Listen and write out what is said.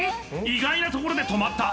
意外なところで止まった